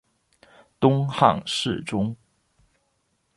东汉侍中。